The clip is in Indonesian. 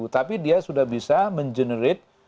tapi dia sudah bisa mengenerate